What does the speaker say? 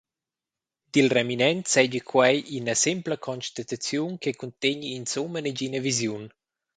Dil reminent seigi quei ina sempla constataziun che cuntegni insumma negina visiun.